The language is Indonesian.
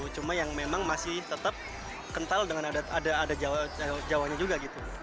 cuma yang memang masih tetap kental dengan ada jawanya juga gitu